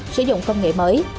sử dụng công nghệ mới